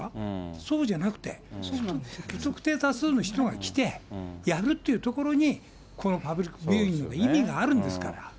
そうじゃなくて、不特定多数の人が来て、やるというところにこのパブリックビューイングの意味があるんですから。